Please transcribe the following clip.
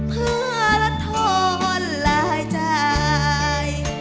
เพื่อรัดทนรายใจ